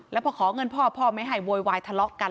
แล้วพอขอเงินพ่อพ่อไม่ให้โวยวายทะเลาะกัน